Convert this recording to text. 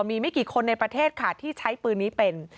มีไม่กี่คนในประเทศค่ะที่ใช้ปืนนี้เป็น